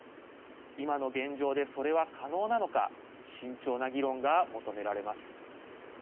今の現状でそれは可能なのか慎重な議論が求められます。